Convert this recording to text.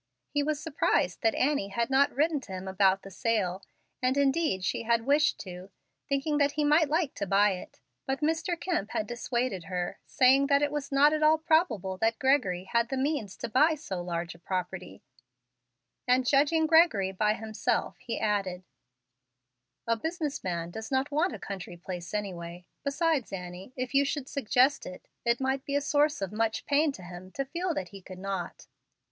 He was surprised that Annie had not written to him about the sale, and indeed she had wished to, thinking that he might like to buy it. But Mr. Kemp had dissuaded her, saying that it was not at all probable that Gregory had the means to buy so large a property, and judging Gregory by himself, he added, "A business man does not want a country place anyway. Besides, Annie, if you should suggest it, it might be a source of much pain to him to feel that he could not."